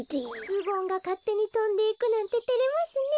ズボンがかってにとんでいくなんててれますね。